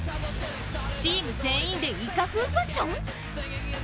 チーム全員でイカ風ファッション？